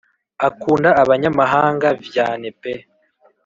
akunda abanyamahanga vyane pe